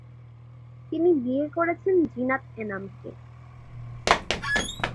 তিনি বিয়ে করেছেন জিনাত এনামকে।